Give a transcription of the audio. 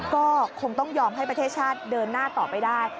ก็คงต้องยอมให้ประเทศชาติเดินหน้าต่อไปได้